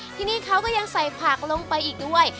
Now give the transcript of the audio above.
ที่นี่เขาก็ยังใส่ผักลงไปอีกด้วย